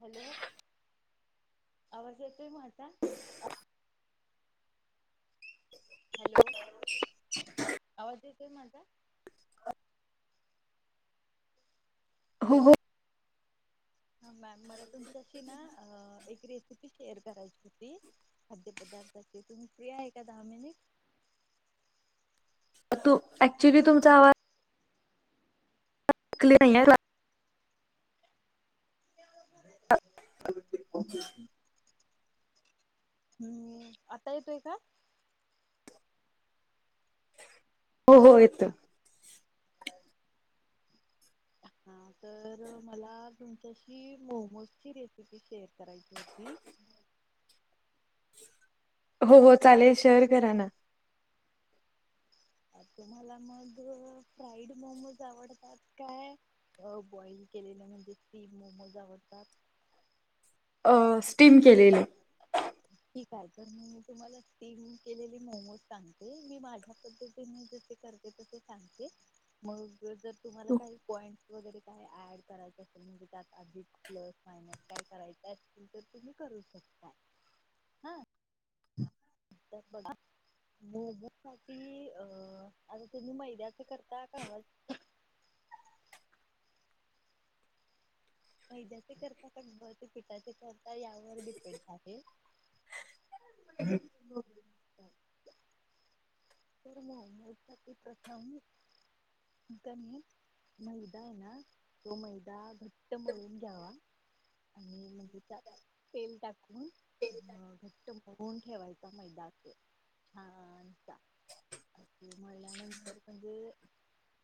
Hello, आवाज येतोय म आता? [inaudible] हॅलो आवाज येतोय माझा? हो, हो हा मॅम मला तुमच्याशी ना एक रेसिपी शेअर करायची होती खाद्य पदार्थाची तुम्ही फ्री आहे का दहा मिनिट. तू [unintelligible] ऍक्च्युली तुमचा आवाज कली [unintelligible] श [unintelligible] हम्म, आता येतोय का? हो, हो येतोय हा तर मला तुमच्याशी मोमोजची रेसिपी शेअर करायची होती. हो, हो चालेल, शेअर करा ना. तुम्हाला मग फ्राईड मोमोज आवडतात काय बॉइल केलेले म्हणजे स्टीम मोमोज आवडतात. अ, स्टीम केलेले. ठीक आहे तर मी तुम्हाला स्टीम केलेली मोमोज सांगते मी माझ्या पद्धतीने जसे करते तसे सांगते मग जर तुम्हाला काही पॉईंट वगैरे काही ऍड करायचे असतील त्यात अधिक प्लस मायनस काय करायचं असेल ते तुम्ही करू शकता. हा [unintelligible] मोमोजसाठी अ तुम्ही मैदा्याच करता घव्हाचं मैद्याचे करता का गव्हाच्या पिठाचे करता यावर डिपेंड आहे. तर मोमोज साठी प्रथम कनइ मैदा हाय ना तो मैदा घट्ट मळून घ्यावा आणि तेल टाकून घट्ट मळून ठेवायचा मैदा असं छानसा. मळल्यानंतर म्हणजे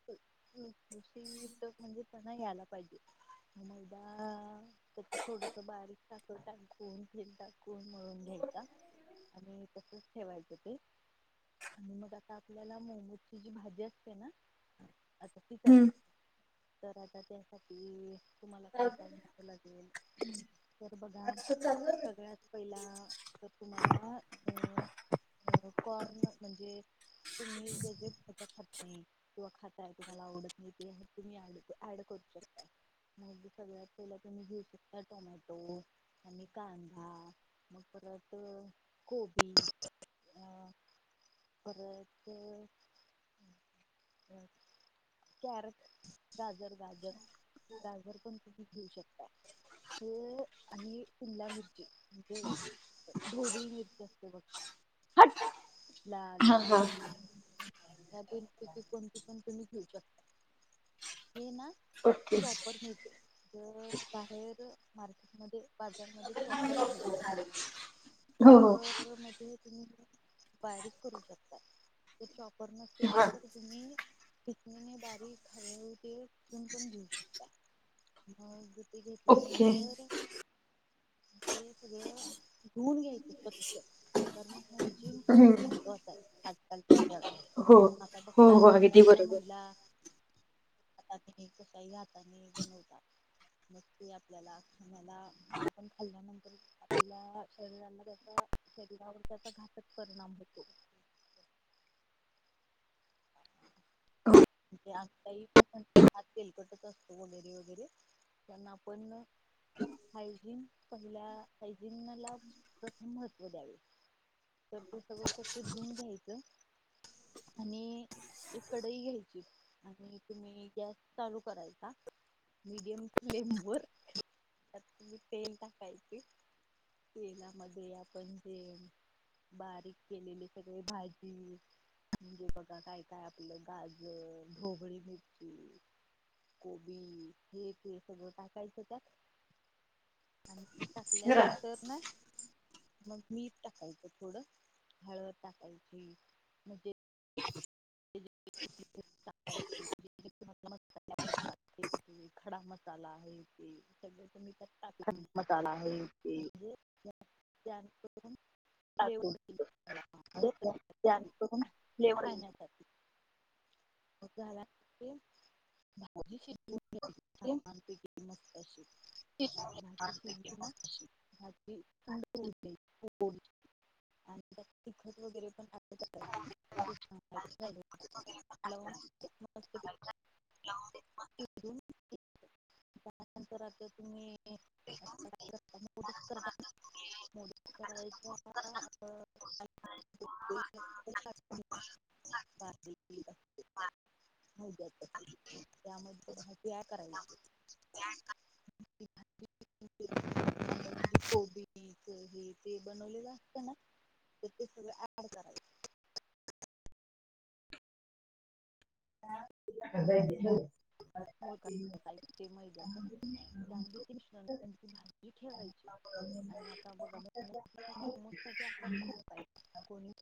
खुशखुशीतपणा यायला पाहिजे मैदा त्यात थोडंस बारीक साखर टाकून तेल टाकून मळून घ्यायचा आणि तसच ठेवायच ते मग आता आपल्याला मोमोजची जी भाजी असते ना आता ती हम्म करायचं तर आता त्यांसाठी तुम्हाला काय काय घ्याव लागेल तर बघा सगळ्यात पहिला तर तुम्हाला अं हो कण [unintelligible] म्हणजे तुम्हीे [unintelligible] किंवा खाताय तुम्हाला आवडत नाही ते तुम्ही इथे ऍड करू शकता मग सगळ्यात पहिला तुम्ही घेऊ शकता टोमॅटो आणि कांदा मग परत कोबी अं परत अ कॅरट गाजर गाजर गाजर कोणते? घेऊ शकता [unintelligible] आणि शिमला मिरची म्हणजे हो [unintelligible] ढोबळी मिरची असते बघ, हाट लाल, हिरवी यातील किती कोणती पण तुम्ही घेऊ शकता हे ना ओके चॉपर मिळते जर बाहेर मार्केटमध्ये बाजारमध्ये चॉपर आहेत हो हो शॉपर मध्ये तम्ही बारीक करू शकता जर चॉपर नसेल तर तुम्ही पचणीने बारीक हळ तेून पण घेऊ शकता मग ओके घेतल्यानंतर ते सगळं धुऊन घ्यायचं स्वच्छ कारण हायजीन खूप हम्म महत्त्वाचं आहे आजकालच्या काळात हो आता हो बघताय हो अगदी आजकालच्या बरोबर महिला हाताने कशही हाताने बनवतात मग ते आपल्याला खाण्याला आपण खाल्ल्यानंतर आपल्या शरीराला त्याचा शरीरावर त्याचा घातक परिणाम होतो आता हात तेलकटच असतो वगैरे वगैरे त्यांना आपण हायजीन पहिल्या हायजिन ला प्रथम महत्त्व द्यावे तर ते सगळं स्वच्छ धुून घ्यायचं आणि एक कडई घ्यायच आणि तुम्ही गॅस चालू करायचा मडियम फ्लेम वर त्यातम तेल टाकायचे तेलामध्ये आपण जे बारीक केलेले सगळे भाजी म्हणजे बघा काय काय आपलं गा ढोबळी मिरची कोबी हे ते सगळं टाकायचं त्यात आणि ते टाकल्यानंतर ना मग मीठ टाकायचं थोडं हळव टाकायची म्हणजे खडा मसाला आहे ते सगळ तु - थ मसााला ह- म्हणजे [inaudible] फ्लेवर येईल. [inaudible] [inaudible] ते शिजवून मस्तशी छानपैकी [inaudible] मग. तखत वगैरे पण ऍड हॅलो ह न त्यानंतर आता तुम्ही त कर मोत करायच्या ारी असते मो त्यामध्ये भाजी करायची आपण जे कोबी हे ते बनवलेलं असत ना तर ते सगळं ड करायच. [unintelligible] ऐकते मैद्याचा त्यामध्ये भाजी ठेवायची आणि आता बघा आकार खूप आहे कोणी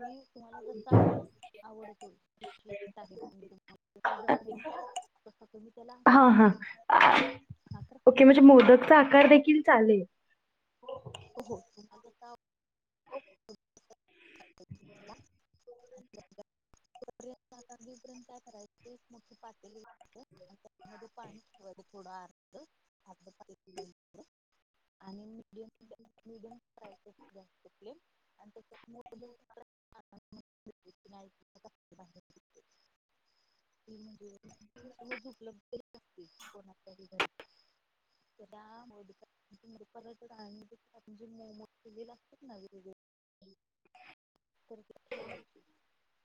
मी तुम्हाला जसत तर - आवडतो जस तुम्ही त्याला हा आकार हा द्यायचा आकार ओके म्हणजे मोदकचा आकार देखील चालेल. हो. र्यंत काय करायच मोठ पातेले घ्यायचे त्यामध्ये पाणी ठेवायचं थोड अर्ध आणि मिडियम करायचं गॅसच फ्लेम. मोदक [inaudible] [inaudible] त म्हणजे सज उपलब्ध कोणाच्यारी घरी तर मो केले असतात ना वर हम ठेवायची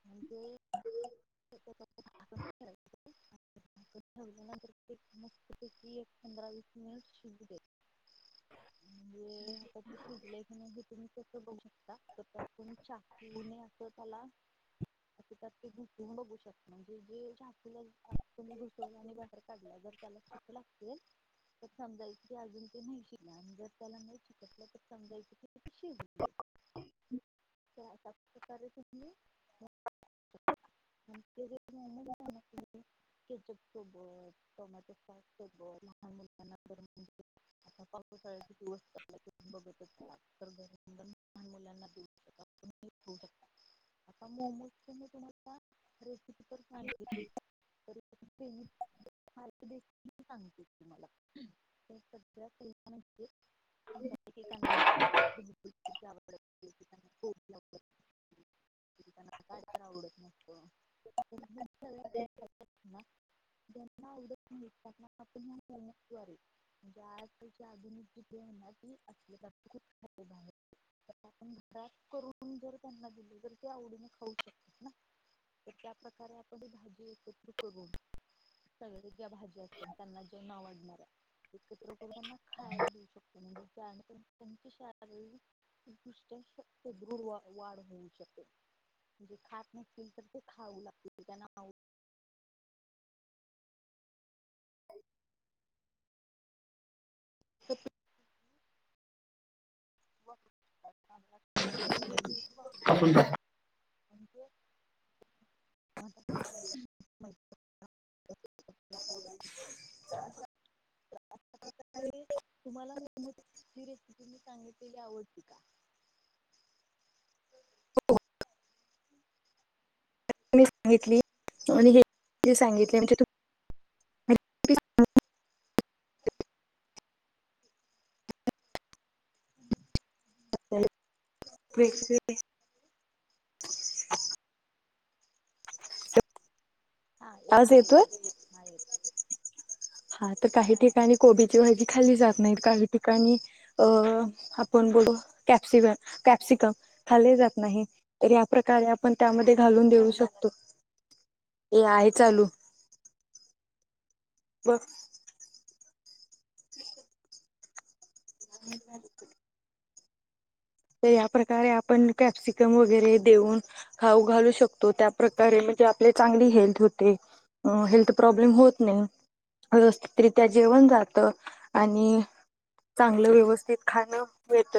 म्हणजेंतस्ती एक पंधरा वीस मिनिट शिजू द्यायचं. म्हणजे आता ते शिजलाय का नाही घे तु बघू शकता तर त्या तुमच्या - अस त्याला अस ते घुसून बघू शकत म्हणजे जे ातूला घुसव आणि बाहेर काढला जर त्याला शिकला असेल तर समजायच ते अजून ते नाही शिकले आणि जर त्याला नाही शिकलं तर समजायचे ते शिजले. कारे तुमही ह के सोबत टोमॅटो सॉस सोबत लहान मुलांना तरणज आता पापसाची बघ मुलांना- आता मोी तुम्हाला [inaudible] [unintelligible] त्यांना [inaudible] खूप त्यान आता काय कराव हो [inaudible] व करून जर त्यांना दिले तर ते आवडीने खाऊ शकतात ना, तर त्या प्रकारे आपण ही भाजी एकत्र करून सगळे ज्या भाज्या असतात त्यांना जे न आवडणाऱ्या एकत्र करून ना त्यांना खायला देऊ शकतो म्हणजे त्यांच्या शारीरिक दृष्ट्या दृढ वाढ होऊ शकते म्हणजे खात नसतील तर ते खाऊ लागतील त्यांनाआउ क ब कापून टाक [inaudible] [inaudible] तुम्हाला मुलमची रेसिपी मी सांगितलेली आवडली का [unintelligible] [inaudible] हा आवाज येतो येतोय येतो हा येतो हा तर काही ठिकाणी कोबीची भाजी खाल्ली जात नाही काही ठिकाणी अ आपण बोल कॅप्सिक कॅप्सिकम खाले जात नाही तर या प्रकारे आपण त्यामध्ये घालून देऊ शकतो ये आहे चालू ब [inaudible] तर या प्र्रकारे आपण कॅप्सिकम वगैरे देऊन हाऊ घालू शकतो त्याप्रकारे म्हणजे आपले चांगली हेल्थ होते अ हेल्थ प्रॉब्लेम होत नाही व्यवस्थितरित्या जेवण जात आणि चांगलं व्यवस्थित खाणं येत